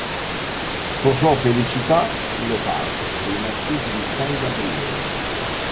Sposò Felicita Lo Faso dei marchesi di San Gabriele.